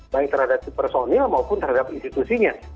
baik terhadap personil maupun terhadap institusinya